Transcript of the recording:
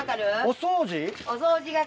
お掃除係。